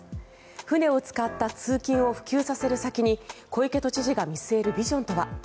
船を使った通勤を普及させる先に小池都知事が見据えるビジョンとは。